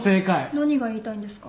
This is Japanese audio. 何が言いたいんですか？